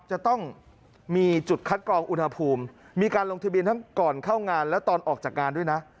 จะต้องมีจุดคัดกรองอุณหภูมิมีการลงทะเบียนทั้งก่อนเข้างานและตอนออกจากงานด้วยนะ